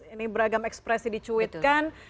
ini beragam ekspresi dicuitkan